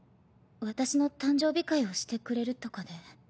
私の誕生日会をしてくれるとかで。